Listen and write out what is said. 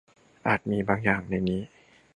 อาจมีบางอย่างในนี้